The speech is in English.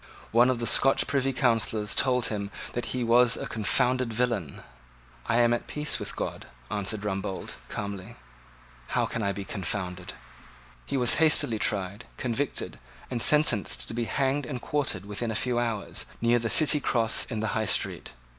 One of the Scotch Privy Councillors told him that he was a confounded villain. "I am at peace with God," answered Rumbold, calmly; "how then can I be confounded?" He was hastily tried, convicted, and sentenced to be hanged and quartered within a few hours, near the City Cross in the High Street.